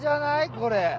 これ。